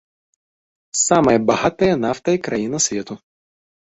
Самая багатая нафтай краіна свету.